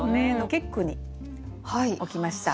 結句に置きました。